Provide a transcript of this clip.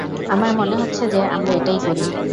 আমার মনে হচ্ছে যে, আমরা এটাই করি।